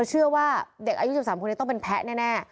เธอเชื่อว่าเด็กอายุ๑๓ต้องเป็นแพ้แน่